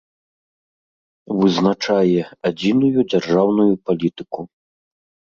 Вызначае адзiную дзяржаўную палiтыку.